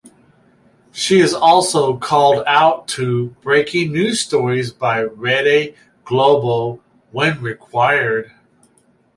She is also called out to breaking news stories by Rede Globo when required.